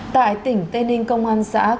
tại tỉnh tây ninh công an xã cầu văn